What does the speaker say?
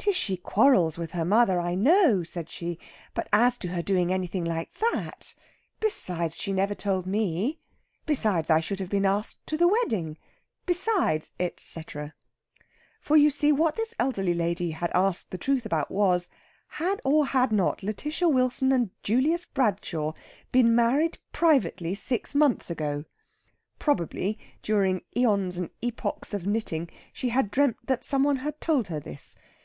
"Tishy quarrels with her mother, I know," said she. "But as to her doing anything like that! Besides, she never told me. Besides, I should have been asked to the wedding. Besides," etcetera. For, you see, what this elderly lady had asked the truth about was, had or had not Lætitia Wilson and Julius Bradshaw been privately married six months ago? Probably, during æons and epochs of knitting, she had dreamed that some one had told her this.